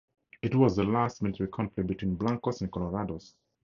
It was the last military conflict between Blancos and Colorados.